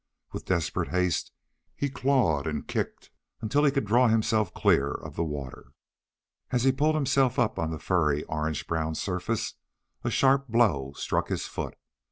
With desperate haste he clawed and kicked until he could draw himself clear of the water. As he pulled himself up on the furry, orange brown surface, a sharp blow struck his foot.